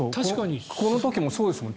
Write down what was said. この時もそうですよね。